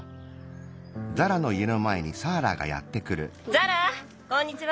ザラこんにちは！